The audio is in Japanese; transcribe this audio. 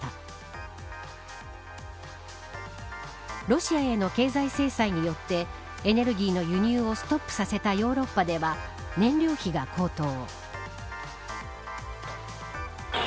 ロシアへの経済制裁によってエネルギーの輸入をストップさせたヨーロッパでは燃料費が高騰。